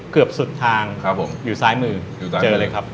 เกือบสุดทางครับผมอยู่ซ้ายมือเจอเลยครับ